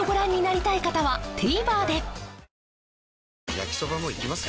焼きソバもいきます？